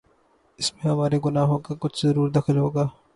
اس میں ہمارے گناہوں کا کچھ ضرور دخل ہو گا۔